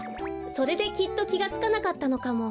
それできっときがつかなかったのかも。